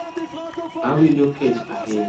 Awinjo kech ahinya